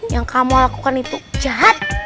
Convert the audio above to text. yang kamu lakukan itu jahat